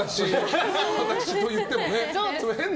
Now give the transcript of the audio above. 私と言ってもね。